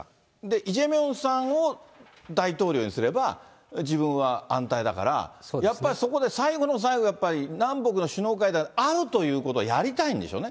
イ・ジェミョンさんを大統領にすれば、自分は安泰だから、やっぱりそこで最後の最後、南北の首脳会談、会うということをやりたいんでしょうね。